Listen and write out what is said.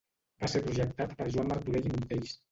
Va ser projectat per Joan Martorell i Montells.